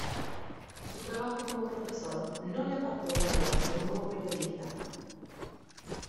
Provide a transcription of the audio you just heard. Su trabajo como profesor no le apartó de la vocación como periodista.